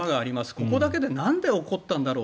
ここだけでなんで起こったんだろう。